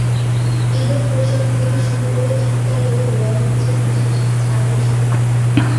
ঈদের পোশাক থেকে শুরু করে ইফতারেও দেওয়া হচ্ছে বিশেষ ছাড়ের সুবিধা।